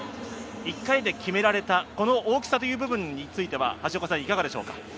１回で決められた、この大きさという部分についてはいかがでしょうか？